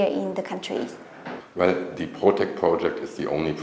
để tiếp tục phát triển dịch vụ phòng chống dịch việt nam